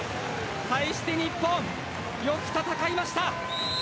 対して日本、よく戦いました。